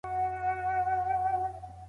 آيا په سخت کار مکلفول په شريعت کي جواز لري؟